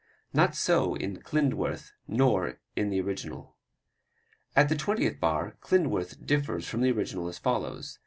Not so in Klindworth nor in the original. At the twentieth bar Klindworth differs from the original as follows.